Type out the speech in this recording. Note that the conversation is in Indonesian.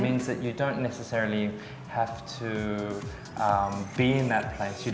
anda tidak perlu berada di tempat itu